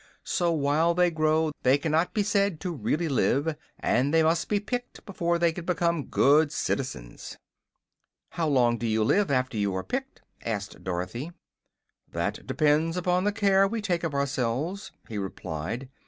So while they grow they cannot be said to really live, and they must be picked before they can become good citizens." "How long do you live, after you are picked?" asked Dorothy. "That depends upon the care we take of ourselves," he replied.